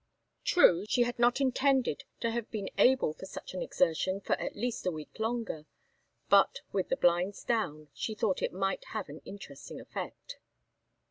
True, she had not intended to have been able for such an exertion for at least a week longer; but, with the blinds down, she thought it might have an interesting effect.